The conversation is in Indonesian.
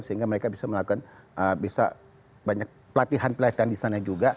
sehingga mereka bisa melakukan pelatihan pelatihan di sana juga